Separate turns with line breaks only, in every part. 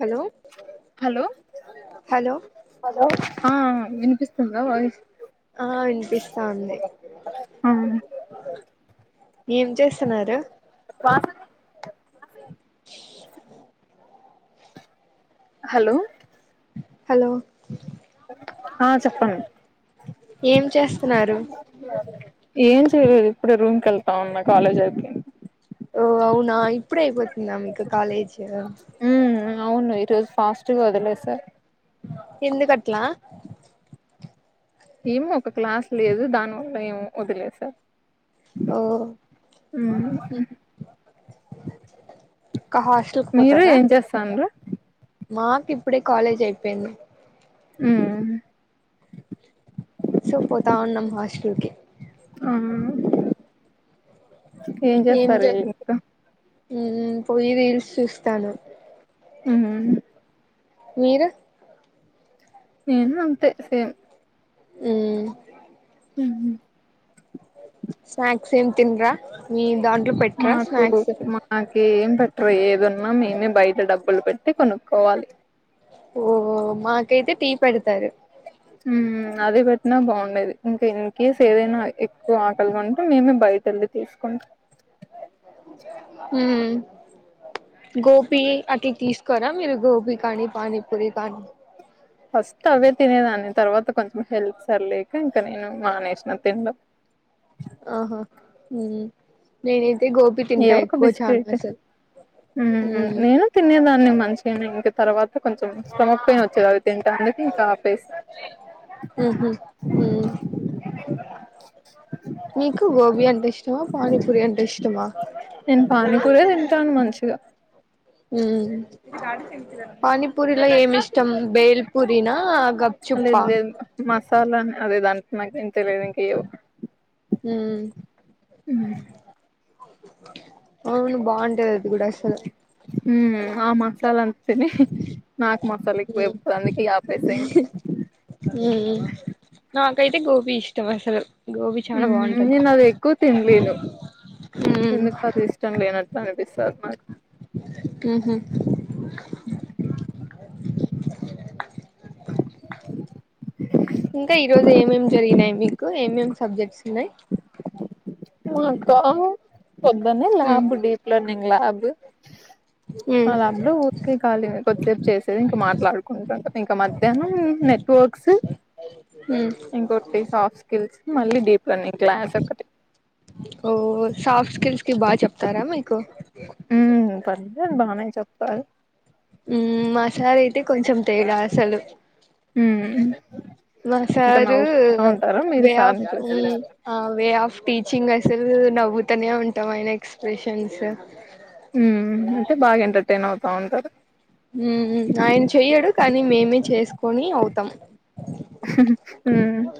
Hello
hello
hello
ఆ వినిపిస్తుందా voice
ఆ వినిపిస్తాంది ఏం చేస్తున్నారు
హలో
హలో
ఆ చెప్పండి
ఏం చేస్తున్నారు
ఏం చేయలేదు ఇప్పుడే రూమ్ కెళ్ టా ఉన్నా కాలేజ్ అయిపో [inaudible]
ఓ అవునా ఇప్పుడే అయిపోతుందా మీకు కాలేజ్
పాస్ట్ గా వదిలేసార్
ఎందుకట్ల
ఏమో ఒక క్లాస్ లేదు దాని వల్ల ఏమో వదిలేశా
ఓ ఒక హాస్టల్కి
మీరు
పోతారా
ఏం చేస్తాండ్రు
మాకు ఇప్పుడే కాలేజ్ అయిపోయింది సో పోతావున్నాం హాస్టల్ కి
ఆ ఏం చేస్తారు [unintelligible] కా
మ్మ్ పోయి రీల్ చూస్తాను
ఉమ్మ్
మీరు
నేనూ అంతే సేమ్
ఊమ్మ్ య
హ్మ్మ్
స్నాక్స్ ఏం తినరా మీ దాంట్లో పెట్ట్రా స్నాక్స్
ట్రు ఏదున్నా మేమే బయట డబ్బులు పెట్టి కొనుక్కోవాలి
ఓ మాకైతే టీ పెడతారు
ఉమ్మ్ అది పెట్టినా బావుండేది ఇంకా ఇన్ కేస్ ఏదైనా ఎక్కువ ఆకలిగా ఉంటే మేమే బయటెళ్ళి తీసుకుం
ఉమ్మ్ గోపి అట్ల తీసుకోరా మీరు గోబి కానీ పానీపూరి కానీ
ఫస్ట్ అవే తినేదాన్ని తర్వాత కొంచెం హెల్త్ సరిలేక ఇంక నేను మానేసిన తినడం
ఆహా ఉమ్మ్ నేనే
ఏవో ఒక బిస్కెట్ మ్మ్ హు
ఉమ్
నేనూ తినేదాన్ని [unintelligible] ఇంక తరవాత కొంచెం స్టమక్ పెయిన్ వచ్చేది అవి తింటాందికి కా ఆపేసి
ఉహు ఉమ్ మీకు గోబీ అంటే ఇష్టమా పానీపూరి అంటే ఇష్టమా
నేను పానీపూరే తింటాను మంచి గా
ఉమ్మ్ పనీపూరిల ఏం ఇష్టం బేల్ పూరినా గప్
లేదు
చుప్పా
లేదు మసాలా అదే దాంట్ నాకు ఎం తెలిదు ఇంకియు
హ్మ్
హ్మ్
అవును బాగుంటది అది కూడా అసలు
మ్మ్ ఆ మసాలాను నాకు మసాలా
ఉమ్
ఎక్కుయితాంది ఇగ పేసేయ్
ఉమ్ నాకైతే గోబి ఇష్టం అసలు గోబీ చాలా
హ్మ్
బాగుంటది
నేను అది ఎక్కువ తినలేను
ఉమ్
ఎందుకు అది ఇష్టం లేనట్లు అనిపి సర్ పై
ఆహా ఇంకా ఈ రోజు ఏమ్ ఏమ్ జరిగినాయి మీకు ఏమ్ ఏమ్ సబ్జెక్ట్స్ ఉన్నాయి
అక్క పోద్దనే
ఉమ్
లాప్ డీప్ లను నింగుల అబ్
ఉమ్
ఆ లాబ్ లో ఊరికే ఖాళీ కొద్దిసేపు చేసేది ఇంకా మాట్లాడుకుంటుంటం ఇంకా మధ్యాహ్నం నెట్వర్క్స్
ఉమ్
ఇంకోటి సాఫ్ స్కిల్స్ మళ్ళీ డీప్ లెర్నింగ్ క్లాస్ ఒకటి
ఓ సాఫ్ స్కిల్స్ కివు బాగా చెప్తారా మీకు
మ్మ్ పద్యాలు బాగానే చెపు పాదు
హ్మ్ మసాలా అయితే కొంచెం తేడా అసలు
మ్మ్
మా
ఇంకా
సారు
నవ్వుకుంటా ఉంటారా మీరు
వే ఆఫ్
సార్ని చూసి
మ్మ్ ఆ వే ఆఫ్ టీచింగ్ అసలు నవ్వుతనే ఉంటాం ఆయన ఎక్స్ప్రెషన్స్
మ్మ్ అంటే బాగా ఎంటర్టైన్ నావు అవును కదా
హ్మ్ ఆయన చెయ్యడు కానీ మేమే చేసుకొని అవుతాం
మ్మ్
అ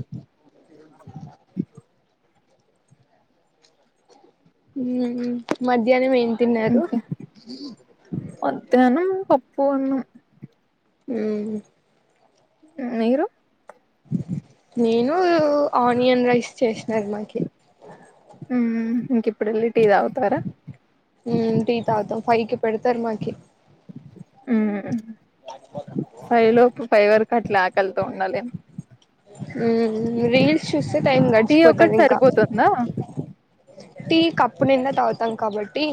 మ్మ్ మడ్ మధ్యాహ్నం ఏం తిన్నారు
ఫోను
హ్మ్
మీరు
నేను ఆనియన్ రైస్ చేసినారు మాకి
ఇంకిప్పుడెళ్ళిద్.
ఉమ్ టీ తాగ్తం ఫై కి. పెడ్తర్ మాకి.
ఉమ్ ఫైవ్ లోపు ఫైవర్క్. అట్ల ఆకల్తో ఉన్నలేమ్.
అ ఉమ్ రీల్స్ చూస్తె టైం
టీ ఒక్కటి
గడిచిపోతదింక
సరిపోతుందా
టీ కప్పు నిండా తాగుతాం కాబట్టి.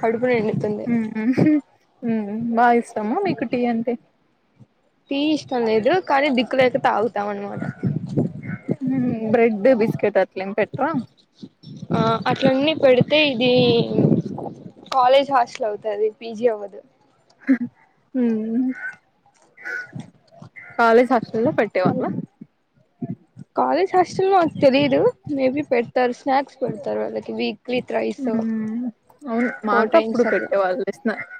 కడు ఇప్పుడెన్నుతుంది.
ఉమ్ ఉమ్ బాగిస్తమా మీకు టీ అంటే.
టీ ఇష్టం లేదు కాని దిక్కులేక తాగుతామన్మాట.
ఉమ్హు బ్రెడ్డు బిస్కెట
ఆ అట్లన్నీ పెడితే ఇదీ. కాలేజ్ హాస్ట్లవ్తది పీజీ అవ్వదు.
ఉమ్ కాలేజ్ హస్టల్లో పెట్టేవాల్ల.
కాలేజ్ హాస్టల్లో తెలీదు మేబి పెట్. తర్ స్నాక్స్ పెడతారు వాళ్ళకి వీక్లీ త్రైసు
ఉమ్ అవును
ఫోర్
మాకు
టైమ్స్
అప్పుడు
అట్ల
పెట్టేవాళ్ళు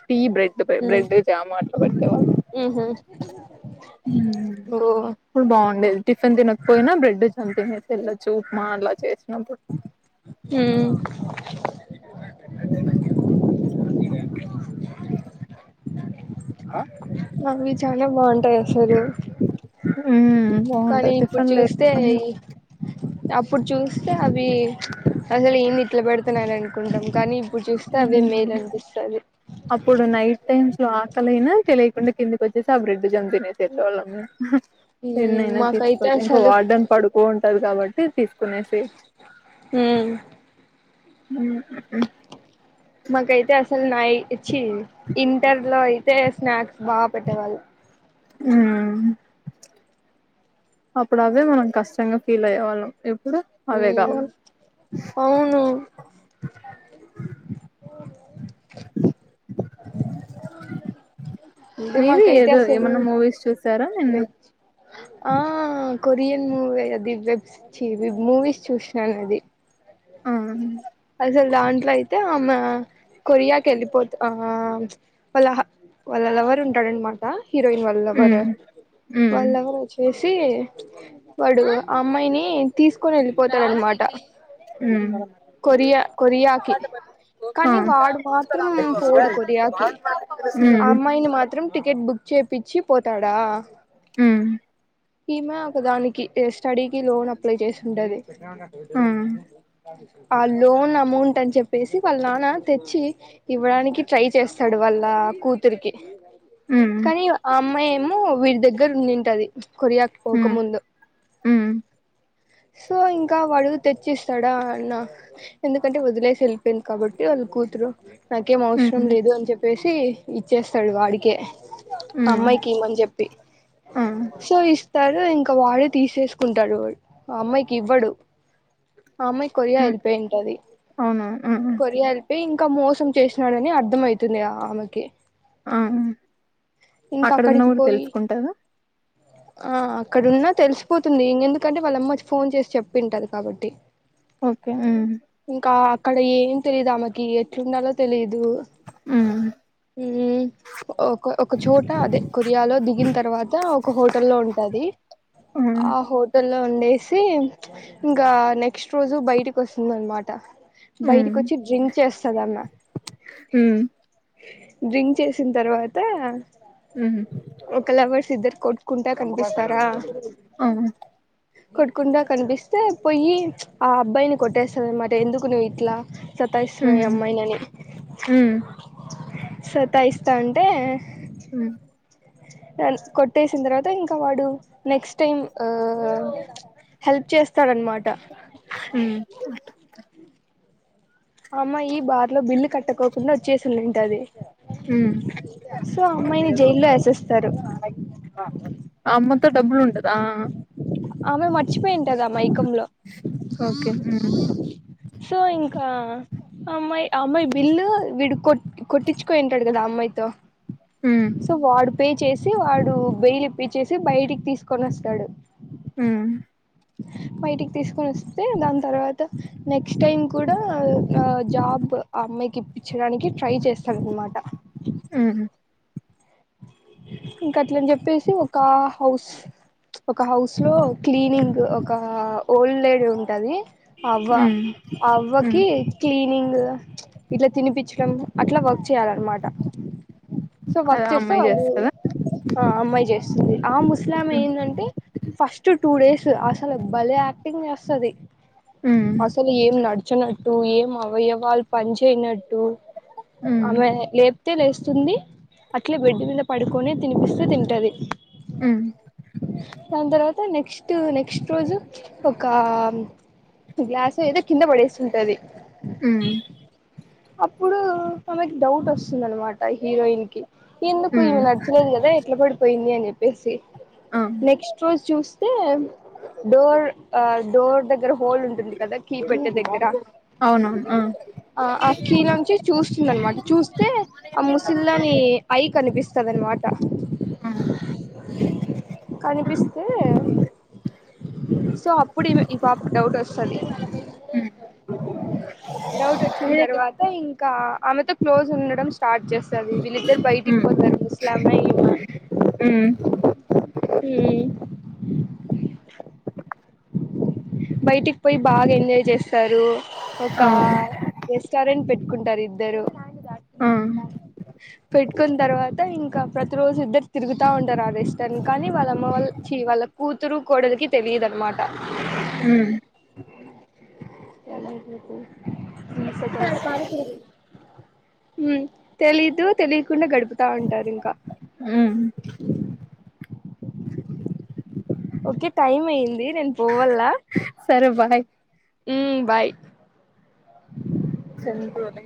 టీ బ్రెడ్
ఉమ్
బ్రెడ్ జామ్ అట్లా పెట్టేవాళ్ళు
ఊహూ. అ
ఉమ్ పుడ్ బాగుండేది. టిఫెన్ తినకపోయ్నా బ్రెడ్డు జామ్ తినేసెల్లొచ్చు ఉప్మా అలా చేసినప్పుడు.
మ్మ్
ఆ
అవ్వి చాలా బాంటాయసలు.
ఉమ్
కానీ
బాగుంటది
ఇప్పుడు
టిఫిన్ లే
చూస్తే. అప్పుడ్ చూస్తే అ. వి అసలు ఎన్ని. [unintelligible] తునాన్కుంటాం కానీ ఇప్పుడ్ జూస్తే అవే మేలనిపిస్తాది.
అప్పుడు నైట్ [unintelligible] ఆకలైనా తెలీకుండ కిందికొచ్చేసి ఆ బ్రెడ్డు జామ్ తినేసెళ్ళేవాళ్ళమ్ మేమ్.
మ్మ్
ఎన్నైనా
మాకైతే
తెస్తుకోచ్చు ఇంక
అసలు
వార్డన్ పడుకో. టద్ కాబట్టి తీసుకునేసెయ్చ్.
ఉమ్
ఉమ్
మకైతే అసల్ నై ఛి ఇంటర్ లో ఐతే స్నాక్స్ బా పెట్టేవాళ్ళు.
ఉమ్ అప్పుడదే మనం కష్టంగా ఫ్. ఫీల్ అయ్యేవాళ్లం ఎ ప్పుడు
మ్మ్
అవేగావల
అవును అంటే
మీవి
మాకైతే
ఏదో
అసలు
ఏమన్నా మూవీస్ చూసారా నిన్న
వెజ్ ఆ కొరియన్ మూవేగ ది వెబ్స్ ఛీ వెబ్ మూవీస్ చూసినాను అది
ఆ
అసలు దాంట్లో అయితే ఆమె కొరియాకి వెళ్ళిపోత ఆ ప్చ్ వాళహా వాళ్ళ లవర్ ఉంటాడనమాట. హీరోయిన్ వాళ్ లవర
ఉమ్ ఉమ్
వాళ్ళవరచ్చేస్ చ్చి వాడు ఆ అమ్మాయిని తీసు కొని వెళ్ళిపోతాడనమాట
ఉమ్
కొరియా కొరియాకి
ఆ
కానీ వాడు మాత్రం పోడు కొరియాకి, ఆ
ఉమ్
అమ్మాయిని మాత్రం టికెట్, బుక్ చేపిచ్చి పోతాడా
మ్మ్
ఈమె ఒక దానికి ఎ స్టడీకి లోన్ అప్లై చేసి ఉంటది
ఆ
ఆ లోన్ అమౌంట్ అని చెప్పేసి వాళ్ళ నాన్న తెచ్చి ఇవ్వడానికి ట్రై చేస్తాడు వాళ్ళ కూతురికి.
ఉమ్
కానీ ఆ అమ్మాయ్ ఏమో వీని దగ్గర ఉండింటాది కొరియాకి
ఉమ్
పోకముందు
ఉమ్
సో ఇంకా వాడు తెచ్చిస్తాడా అన్నా ఎందుకంటే వదిలేసి వెల్పేయింది కాబట్టి వాళ్ళు కూతురు నాకేం అవసరం
హ్మ్.
లేదు అని చెప్పేసి ఇచ్చేస్తాడు వాడికే
హ్మ్.
అమ్మాయికి ఇమ్మని చెప్పి
ఆ!
సో ఇస్ స్తారు ఇంకా వాడే తీసేసుకుంటాడు వాడు ఆ అమ్మాయికి ఇవ్వడు ఆమ్మాయ్ కొరియా
హ్మ్.
వెల్ప్ పేంటది
అవునవును. హ్మ్. హ్మ్.
కొరియా వెల్పేయ్ ఇంకా మోసం చేసినాడని అర్ధం అయితుంది ఆమెకి
ఆ
ఇంకా
అక్కడ ఉన్న
అక్కడికి
కూడా
పోయి
తెలుసుకుంటాదా
ఆ అక్కడున్నా తెలిసిపోతుంది ఇంగ ఎందుకంటే వాళ్ళమ్మకి ఫోన్ చేసి చెప్పింటాది కాబట్టి
ఓకే హ్మ్
ఇంకా అక్కడ ఏం తెలీదు ఆమెకి ఎట్లుండాలో తెలీద్ ఓ
హ్మ్.
మ్మ్ ఒక ఒక చోట అదే కొరియాలో దిగిన్ తర్వాత ఒక హో టల్లో ఉంటాది
హ్మ్.
ఆ హోటల్ టలో ఉండేసి, ఇంగా నెక్స్ట్ రోజు బయటికి వస్తుందన్మాట.
హ్మ్.
బయటికొచ్చి డ్రింక్ చేస్తదన్న
హ్మ్.
డ్రింక్ చేసిన తర్వాతా
హ్మ్
ఇద్దర్ కొట్ కుంట కనిపిస్తారా?
ఆ!
కొట్టుకుంట కన్ సతాయిస్తున్న ఈ
హ్మ్.
యమ్మ ఈయనని.
హ్మ్.
సతాయిస్తా అంటే
హ్మ్
ఎల్ కొట్టేసిన్ తర్వా త ఇంక వాడు నెక్స్ట్ టైం ఆ హెల్ప్ చేస్ స్తాడు అనమాట
హ్మ్.
అమ్మ ఈ బా ర్లొ బిల్లు కట్టకోకుండా వచ్చేసి ఉంనింటాది
హ్మ్.
సో అమ్మాయిని జైల్లో ఏసేస్తారు.
అమ్మతో డబ్బులు ఉండదా?
ఆమె మర్చిపోయింటది ఆ మైకంలో
ఓకే. హ్మ్.
సో ఇంకా అమ్మాయి అమ్మాయి బిల్లు విడు కొట్ కొట్టించుకొనింటాడు కదా అమ్మాయితో
హ్మ్.
సో వాడు పే చేసి వాడు బెయిల్ ఇప్పి చ్చేసి బయటికి తీసుకొని వస్తాడు.
మ్మ్
బయటికి తీసుకొని వస్తే దాని తర్వాత నెక్ క్స్ట్ టైం కూడా ఆ జాబ్ ఆ అమ్మాయికి ఇప్పించడానికి ట్రై చేస్తాడనమాట.
హ్మ్.
ఇంకా అట్లని చెప్పేసి ఒక హౌస్ ప్చ్ ఒక హౌస్ లో క్లీనింగ్ ఒక ఓల్డ్ లేడీ ఉంటది. అవ్వ
హ్మ్. హ్మ్.
అవ్వకి క్లీనింగ్ అద ఇట్ల తినిపించడం అట్ల వర్క్ చెయ్యాలనమాట సో
అదే ఆ
చేస్తే
అమ్మాయి
వాళ్ళు
జేస్తదా?
ఆ అమ్మాయి చేస్తుంది, ఆ ముస్లామే
హ్మ్.
ఏందంటే ఫస్ట్ టూ డేస్ అసలు భలే యాక్టింగ్ చేస్ స్తది
హ్మ్.
అసలు ఏం నడి చనట్టు ఏం అవయవాలు పని చేయనట్టు,
హ్మ్.
అమే లేప్ తెలుస్తుంది అట్లా బెడ్ మీద పడుకొనే తినిపిస్తే తింటది
అ
తే నెక్స్ట్ ట్ నెక్స్ట్ రోజు ఒక గ్లాస్ ఏదో కింద పడేస్తుంటది
ఆ
అప్పుడు తమకి డౌట్ వస్తుంది అనమాట హీరోయిన్ కి ఎందుకు
హ్మ్.
ఇవి నడిచలేదు కదే ఎట్లా పడిపోయింది అని చెప్పి వేసి
ఆ!
నెక్స్ట్ రోజ్ చూస్ లో డోర్ ఆ డోర్ దగ్గర హోల్ ఉంటుంది కదా కీ పెట్టే దగ్గర
అవునవును. ఆ!
ఆ ఆ కీ నుంచి చూస్తుంది అనమాట చూస్తే ఆ ముసిళ్ళని పై కనిపిస్తది అనుమాట కనిపిస్తే సో అప్పుడు ఇ పాప డౌట్ వస్ సది డౌట్ వచ్చిన
మీ దగ్గర
తర్వాత ఇంకా ఆమెతో క్లోజ్ ఉండడం స్ స్టార్ట్ చేస్తది వీళ్ళిద్దరు బయట్ ఇ
హ్మ్.
పోతరు ముస్లామా ఇమా
ఉమ్
బయటికి పోయి బాగా ఎంజాయ్ చేస్ స్తారు. ఒక
ఆ
రెస్టారెంట్ పెట్ కుంటారు ఇద్దరు
ఆ
చిసుకున్న తర్వాత ఇంకా ప్రతిరోజు ఇద్దరు తిరుగుతూ ఉంటారు ఆ రష్టన్ని కానీ వాళ్ళమ్మ వాళ్ళ చి వాళ్ళ కూతురు కోడలకి తెలియదున్నమాట
హ
చాల మీకు ఇన్ సట బు
త్తారు పానిపూరి
తెలీదు తెలియకుండా గడుపుతా ఉంటారు ఇకా
ఆ
ఓకే టైం అయియంది నేను పోవాల్ ల్లా
సరే భాయ్
ఉ బాయ్
చెల్కు లో నే